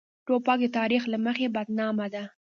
توپک د تاریخ له مخې بدنامه ده.